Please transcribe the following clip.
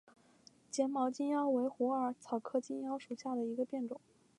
睫毛金腰为虎耳草科金腰属下的一个变种。